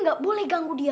gak boleh ganggu dia